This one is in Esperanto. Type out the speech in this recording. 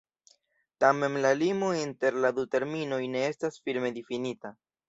Tamen la limo inter la du terminoj ne estas firme difinita.